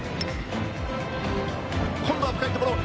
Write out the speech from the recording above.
今度は深いところ！